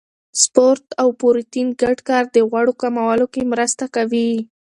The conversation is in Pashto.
سپورت او پروتین ګډ کار د غوړو کمولو کې مرسته کوي.